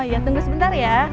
oh iya tunggu sebentar ya